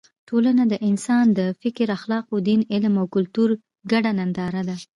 ټولنه د انسان د فکر، اخلاقو، دین، علم او کلتور ګډه ننداره ده.